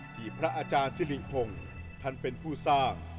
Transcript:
พระอาจารย์สิริพงศ์ท่านเป็นผู้สร้าง